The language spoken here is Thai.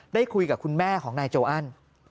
ได้คุยกับคุณแม่ของนายโจอัน